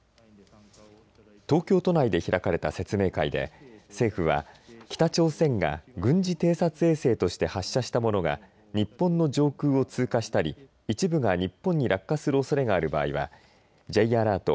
東京都内で開かれた説明会で政府は北朝鮮が軍事偵察衛星として発射したものが日本の上空を通過したり一部が日本に落下するおそれがある場合はＪアラート